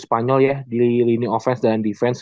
spanyol ya di lini offest dan defense